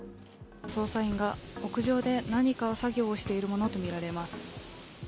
捜査員が屋上で何か作業をしているものとみられます。